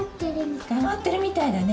つかまってるみたいだね。